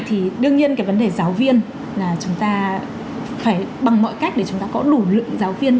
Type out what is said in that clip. thì đương nhiên cái vấn đề giáo viên là chúng ta phải bằng mọi cách để chúng ta có đủ lượng giáo viên